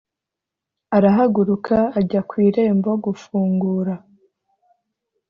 Arahaguruka ajya ku irembo gufungura